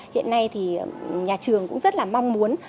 hiện nay thì nhà trường cũng rất là mong muốn